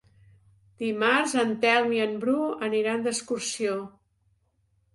Dimarts en Telm i en Bru aniran d'excursió.